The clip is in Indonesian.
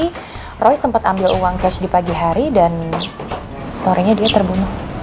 tadi roy sempat ambil uang cash di pagi hari dan sorenya dia terbunuh